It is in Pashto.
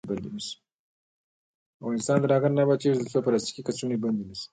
افغانستان تر هغو نه ابادیږي، ترڅو پلاستیکي کڅوړې بندې نشي.